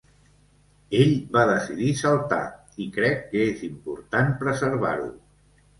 Ell va decidir saltar, i crec que és important preservar-ho.